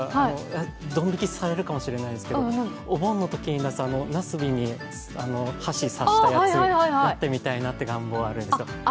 ドン引きされるかもしれないですけど、お盆のときになすびに箸さしたやつやりたいなと思ってるんですが。